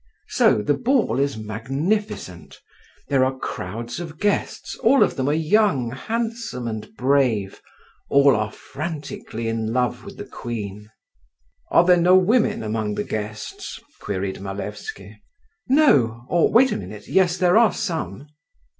So the ball is magnificent. There are crowds of guests, all of them are young, handsome, and brave, all are frantically in love with the queen." "Are there no women among the guests?" queried Malevsky. "No—or wait a minute—yes, there are some."